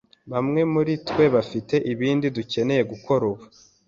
Bamwe muri twe bafite ibindi dukeneye gukora ubu.